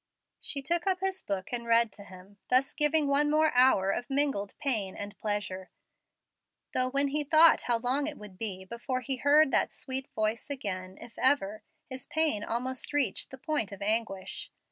She took up his book and read to him, thus giving one more hour of mingled pain and pleasure; though when he thought how long it would be before he heard that sweet voice again, if ever, his pain almost reached the point of anguish.